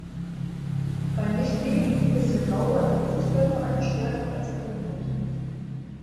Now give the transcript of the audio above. Bei nicht wenigen ist der Glaube an ihren Fußballverein stärker als an ihren Gott.